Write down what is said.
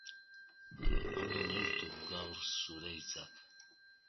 Ondo neurtu gaur zure hitzak.